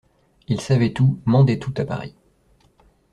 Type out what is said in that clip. Il savait tout, mandait tout à Paris.